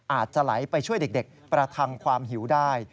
อาจจะไหลไปช่วยเด็กประทังความหิวได้